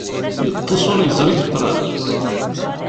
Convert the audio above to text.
Yeṭṭes ur yeẓri i yeḍran.